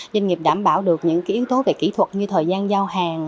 doanh nghiệp đảm bảo được những yếu tố về kỹ thuật như thời gian giao hàng